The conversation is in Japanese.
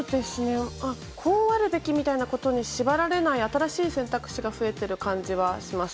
こうあるべきみたいなことに縛られない新しい選択肢が増えている感じはします。